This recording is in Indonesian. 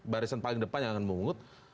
barisan paling depan yang akan memungut